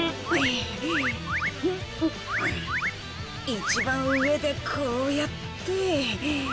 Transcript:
一番上でこうやって。